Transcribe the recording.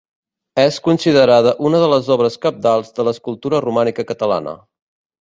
És considerada una de les obres cabdals de l'escultura romànica catalana.